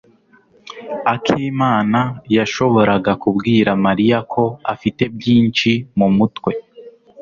akimana yashoboraga kubwira Mariya ko afite byinshi mumutwe.